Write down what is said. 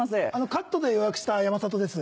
カットで予約した山里です。